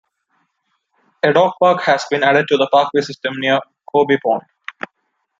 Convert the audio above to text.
A dog park has been added to the parkway system near Corby Pond.